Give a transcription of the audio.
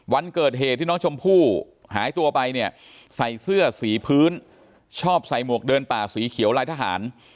วันเกิดเหตุที่น้องชมพู่หายตัวไปเนี่ยใส่เสื้อสีพื้นชอบใส่หมวกเดินป่าสีเขียวลายทหาร